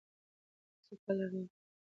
تاسو کله راغلي یئ؟